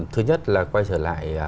thứ nhất là quay trở lại